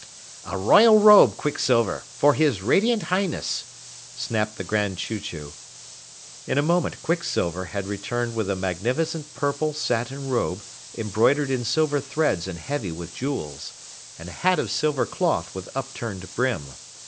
"A royal robe, Quick Silver, for his Radiant Highness," snapped the Grand Chew Chew. In a moment Quick Silver had returned with a magnificent purple satin robe embroidered in silver threads and heavy with jewels, and a hat of silver cloth with upturned brim.